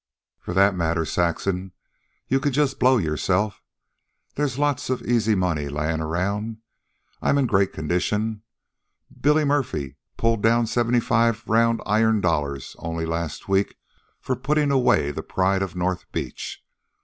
"For that matter, Saxon, you can just blow yourself. There's lots of easy money layin' around. I'm in great condition. Billy Murphy pulled down seventy five round iron dollars only last week for puttin' away the Pride of North Beach.